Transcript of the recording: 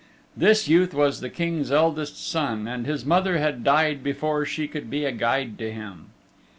This youth was the King's eldest son and his mother had died before she could be a guide to him.